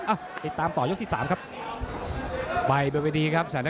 เอาไปตามต่อยกเช้าที่๓ครับ